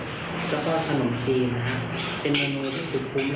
แล้วก็ขนมชีมนะครับ